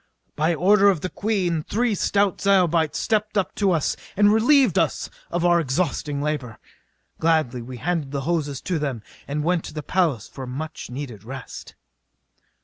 By order of the Queen three stout Zyobites stepped up to us and relieved us of our exhausting labor. Gladly we handed the hoses to them and went to the palace for a much needed rest.